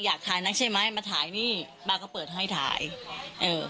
อยากถ่ายนักใช่ไหมมาถ่ายนี่ป้าก็เปิดให้ถ่ายเออ